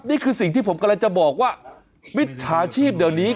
นี่คือสิ่งที่ผมกำลังจะบอกว่ามิจฉาชีพเดี๋ยวนี้